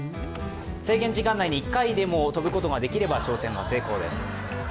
制限時間内に１回でも跳ぶことができれば、挑戦成功です。